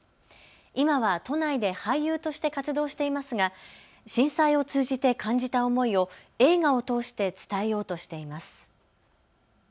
今は都内で俳優として活動していますが震災を通じて感じた思いを映画を通して伝えようとしています。